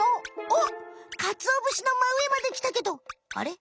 おっかつおぶしのまうえまできたけどあれ？